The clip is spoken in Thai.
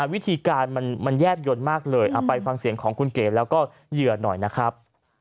วิธีการมันแยบยนต์มากเลยเอาไปฟังเสียงของคุณเก๋แล้วก็เหยื่อหน่อยนะครับ